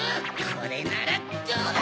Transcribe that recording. これならどうだ！